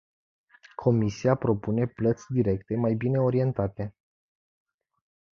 Comisia propune plăți directe mai bine orientate.